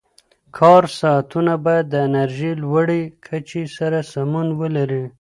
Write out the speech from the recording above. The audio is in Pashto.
کار ساعتونه باید د انرژۍ لوړې کچې سره سمون ولري.